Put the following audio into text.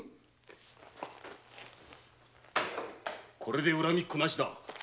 これで恨みっこなしだ！